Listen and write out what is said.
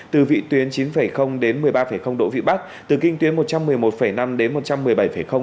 từ vị tuyến chín đến một mươi ba độ vị bắc từ kinh tuyến một trăm một mươi một năm đến một trăm một mươi bảy